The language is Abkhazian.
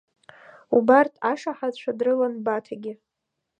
Убарҭ ашаҳаҭцәа дрылан Баҭагьы.